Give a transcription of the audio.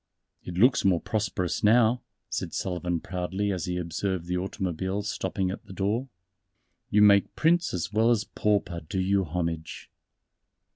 "It looks more prosperous now," said Sullivan proudly as he observed the automobiles stopping at the door, "you make Prince as well as Pauper do you homage."